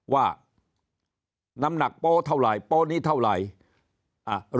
ว่าน้ำหนักโป๊เท่าไหร่โป๊นี้เท่าไหร่